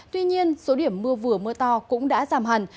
tuy nhiên số điểm mưa vừa mưa to cũng đã giảm hẳn